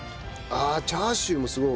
ああチャーシューもすごい。